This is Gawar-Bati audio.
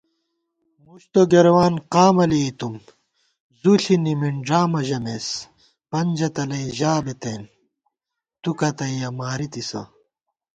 مُشت و گرېوان قامہ لېئیتُم، زُو ݪی نِمنݮامہ ژَمېس * پنجہ تلَئ ژا بِتېن تُو کتّیَہ مارِتِسہ